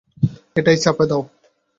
এটায় চাপ দাও।